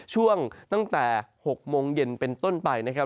ช่วงตั้งแต่๖โมงเย็นเป็นต้นไปนะครับ